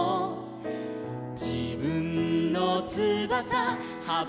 「じぶんのつばさはばたかせて」